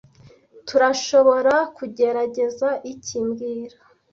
Tturashoborakugerageza iki mbwira